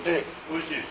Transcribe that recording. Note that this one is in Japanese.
おいしい？